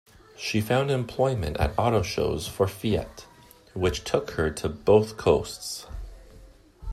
She found employment at auto shows for Fiat, which took her to both coasts.